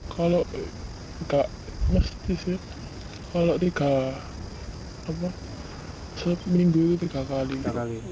kalau tidak kalau tiga minggu itu tiga kali